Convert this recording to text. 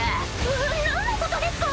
ななんのことですか？